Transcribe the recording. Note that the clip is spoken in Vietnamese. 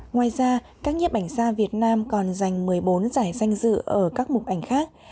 ngoài ra các nhếp ảnh gia việt nam còn giành một mươi bốn giải danh dự ở các mục ảnh khác